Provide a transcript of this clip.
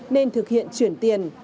nên thực hiện chuyển tiền